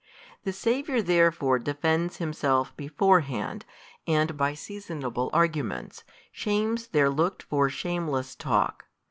The Saviour therefore defends Himself beforehand, and by seasonable arguments, shames their looked for shameless talk.